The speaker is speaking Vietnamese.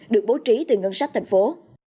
được bố trí từ ngân sách thành phố